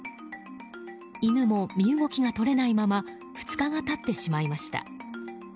犬も身動きが取れないまま２日が経ってしまいました。